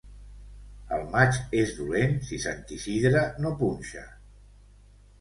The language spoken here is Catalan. El maig és dolent si Sant Isidre no punxa.